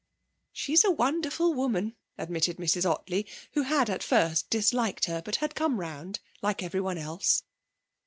'She's a wonderful woman,' admitted Mrs. Ottley, who had at first disliked her, but had come round, like everyone else.